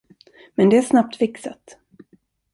Men det är snabbt fixat.